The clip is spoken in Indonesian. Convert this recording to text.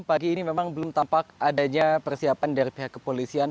pagi ini memang belum tampak adanya persiapan dari pihak kepolisian